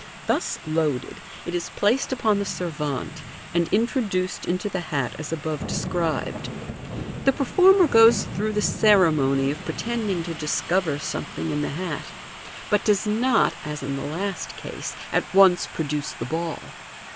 Thus " loaded," it is placed upon the servante, and intro duced into the hat as above described. The performer goes through the ceremony of pretending to discover something in the hat, but does Fig. 136 Figs. 137, 138. MODERN MAGIC. 3°7 not, as in the l*st case, at once produce the ball.